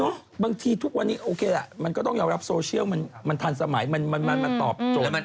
เนาะบางทีทุกวันนี้โอเคแหละมันก็ต้องอยากรับโซเชียลมันมันทันสมัยมันมันมันตอบโจทย์เรา